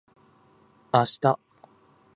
明日